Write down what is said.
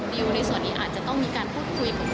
ดิวในส่วนนี้อาจจะต้องมีการพูดคุยกับ